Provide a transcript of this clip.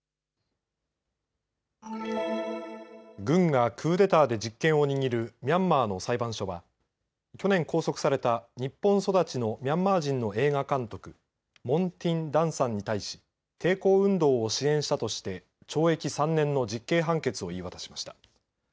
軍がクーデターで実権を握るミャンマーの裁判所は去年、拘束された日本育ちのミャンマー人の映画監督、モン・ティン・ダンさんに対し抵抗運動を支援したとして懲役３年の実刑判決を言い渡しました。